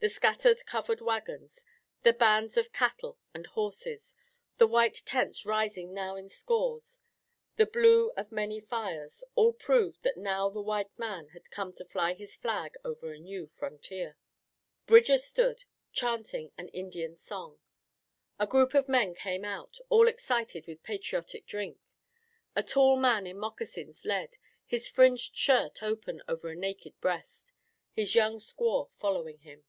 The scattered covered wagons, the bands of cattle and horses, the white tents rising now in scores, the blue of many fires, all proved that now the white man had come to fly his flag over a new frontier. Bridger stood, chanting an Indian song. A group of men came out, all excited with patriotic drink. A tall man in moccasins led, his fringed shirt open over a naked breast, his young squaw following him.